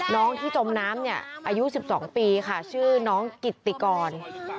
น้องที่จมน้ำเนี่ยอายุ๑๒ปีค่ะชื่อน้องกิตติกร